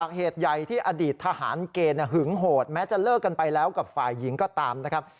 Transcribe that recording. เหตุใหญ่ที่อดีตทหารเกณฑ์หึงโหดแม้จะเลิกกันไปแล้วกับฝ่ายหญิงก็ตามนะครับ